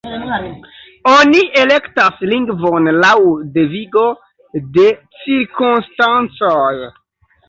Oni elektas lingvon laŭ devigo de cirkonstancoj.